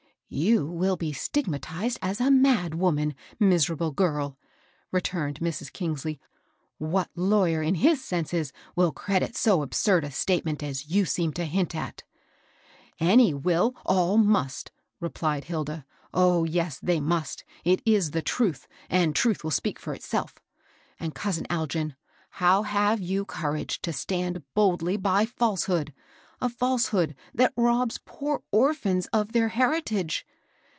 *^You will be stigmatized as a mad woman, miserable girl 1 " returned Mrs. Kingsley. " What lay^er in his senses will credit so absurd a statement as you seem to hint at?" Any will, — all must," reijUfidt H:\iAak. ^^^^J^ 354 HABSL R088. yes, they must! It is the tntth, and tratk will speak for itself. And, cousin Algin, how have you covrage to stand boldly by ftkehood — a fidsehood that robs poor orphans of their heri tage?